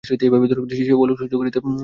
সে আলোক সহ্য করিতে পারে নাই।